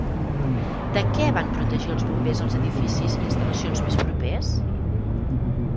De què van protegir els bombers els edificis i instal·lacions més propers?